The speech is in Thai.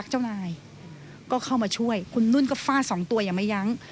เข้่ามาช่วยก็ฟาด๒ตัวอย่างไม่ยั้ง